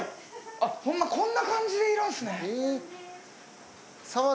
アッホンマこんな感じでいるんすね。